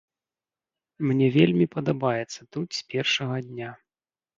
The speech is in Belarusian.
Мне вельмі падабаецца тут з першага дня.